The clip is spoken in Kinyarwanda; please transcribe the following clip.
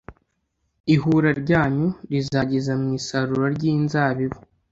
ihura ryanyu rizageza mu isarura ry inzabibu